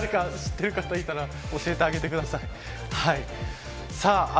誰か知っている方いたら教えてあげてください。